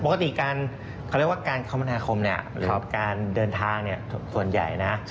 พกติการเขาเรียกว่าการขอมพันธาคมหรือการเดินทางส่วนใหญ่